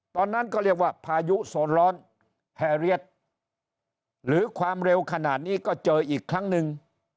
ตอนนั้นก็เรียกว่าพายุโซนร้อนแฮเรียสหรือความเร็วขนาดนี้ก็เจออีกครั้งหนึ่ง